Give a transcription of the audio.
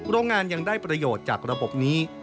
โรงงานยังได้ประโยชน์จากระบบนี้